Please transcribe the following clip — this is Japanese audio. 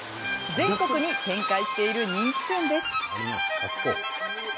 全国に展開している人気店です。